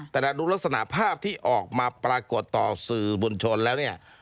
แต่ดูลักษณะภาพที่ออกมาปรากฏต่อสื่อบุญชนแล้วเนี่ย